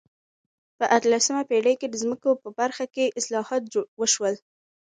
په اتلسمه پېړۍ کې د ځمکو په برخه کې اصلاحات وشول.